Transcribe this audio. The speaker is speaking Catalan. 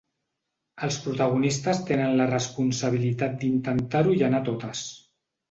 Els protagonistes tenen la responsabilitat d’intentar-ho i anar a totes.